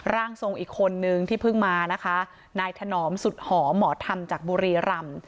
ร่างทรงอีกคนนึงที่เพิ่งมานะคะนายถนอมสุดหอหมอธรรมจากบุรีรำ